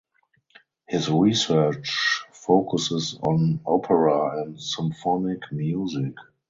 His research focuses on opera and symphonic music.